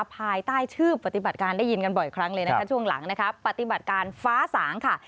ภายใต้ชื่อปฏิบัติการได้ยินกันบ่อยครั้งเลยนะคะช่วงหลังนะคะปฏิบัติการฟ้าสางค่ะ